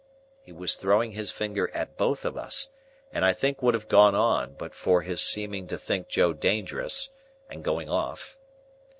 He was throwing his finger at both of us, and I think would have gone on, but for his seeming to think Joe dangerous, and going off.